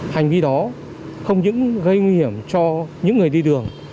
hành vi đó không những gây nguy hiểm cho những người đi đường